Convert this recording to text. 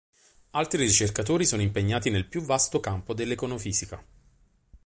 Altri ricercatori sono impegnati nel più vasto campo dell'econofisica.